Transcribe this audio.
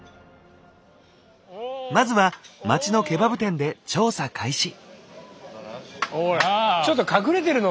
まずは街のケバブ店で調査開始。